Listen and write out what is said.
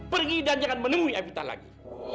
pergi dan jangan menemui evita lagi